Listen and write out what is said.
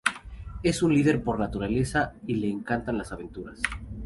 Es un líder por naturaleza y le encantan las aventuras.